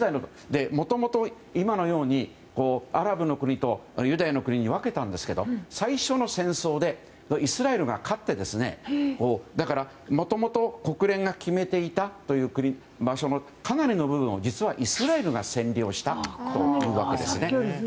もともと今のようにアラブの国とユダヤの国に分けたんですが最初の戦争でイスラエルが勝ってもともと国連が決めていた場所のかなりの部分をイスラエルが占領したんです。